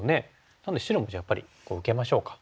なので白もやっぱり受けましょうか。